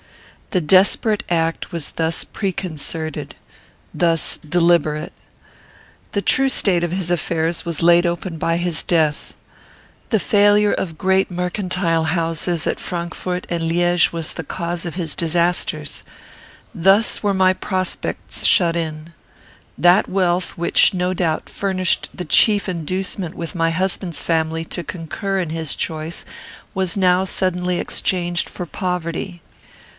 The desperate act was thus preconcerted thus deliberate. "The true state of his affairs was laid open by his death. The failure of great mercantile houses at Frankfort and Liege was the cause of his disasters. "Thus were my prospects shut in. That wealth which, no doubt, furnished the chief inducement with my husband's family to concur in his choice, was now suddenly exchanged for poverty.